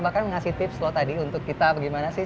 bahkan mengasih tips lo tadi untuk kita bagaimana sih